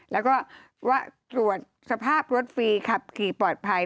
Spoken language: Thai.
แล้วก็ว่าตรวจสภาพรถฟรีขับขี่ปลอดภัย